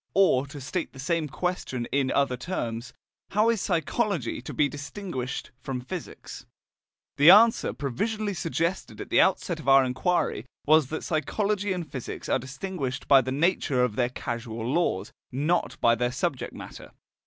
Or, to state the same question in other terms: How is psychology to be distinguished from physics? The answer provisionally suggested at the outset of our inquiry was that psychology and physics are distinguished by the nature of their causal laws, not by their subject matter.